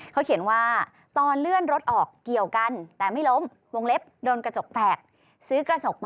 เขาเขียนว่าตอนเลื่อนรถออกเกี่ยวกันแต่ไม่ล้มวงเล็บโดนกระจกแตกซื้อกระจกมา